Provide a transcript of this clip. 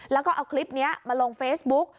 แล้วก็เอาคลิปนี้มาลงเฟซบุ๊ก